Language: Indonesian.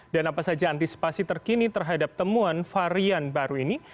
dan apa saja antisipasi terkini terhadap temuan varian baru ini